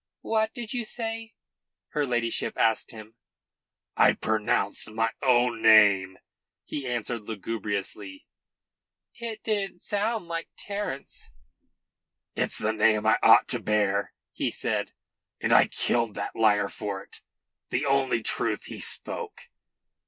"What did you say?" her ladyship asked him. "I pronounced my own name," he answered lugubriously. "It didn't sound like it, Terence." "It's the name I ought to bear," he said. "And I killed that liar for it the only truth he spoke."